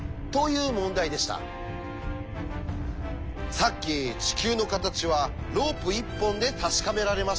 さっき地球の形はロープ１本で確かめられましたよね。